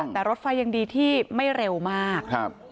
แต่รถไฟยังดีที่ไม่เร็วมาก